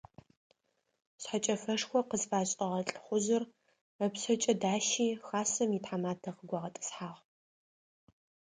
Шъхьэкӏэфэшхо къызфашӏыгъэ лӏыхъужъыр ыпшъэкӏэ дащи хасэм итхьэматэ къыгуагъэтӏысхьагъ.